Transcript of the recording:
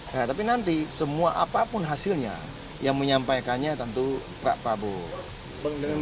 nah tapi nanti semua apapun hasilnya yang menyampaikannya tentu pak prabowo